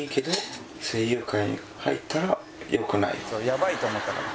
「やばいと思ったから」